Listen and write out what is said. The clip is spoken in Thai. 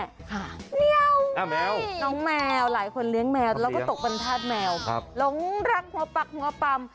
ค่ะแมวไงน้องแมวหลายคนเลี้ยงแมวแล้วก็ตกบรรทาสแมวหลงรักหัวปักหัวปัม